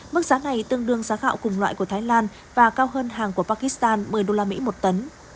mức giá này tương đương giá gạo cùng loại của thái lan và cao hơn hàng của pakistan một mươi usd một tấn